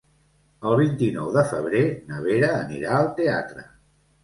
El vint-i-nou de febrer na Vera anirà al teatre.